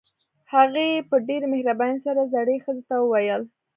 هغې په ډېره مهربانۍ سره زړې ښځې ته وويل.